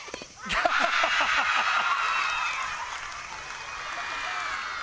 ハハハハ！